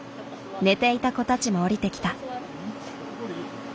寝ていた子たちも降りてきた。